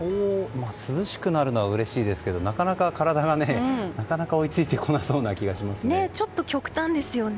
涼しくなるのはうれしいですけどなかなか体が追いついてこなそうな気がちょっと極端ですよね。